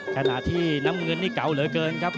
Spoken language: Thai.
ขณะที่น้ำเงินนี่เก่าเหลือเกินครับ